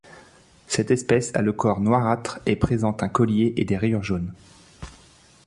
Cette espèce a le corps noirâtre et présente un collier et des rayures jaunes.